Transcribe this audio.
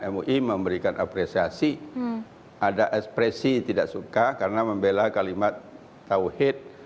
mui memberikan apresiasi ada ekspresi tidak suka karena membela kalimat tawhid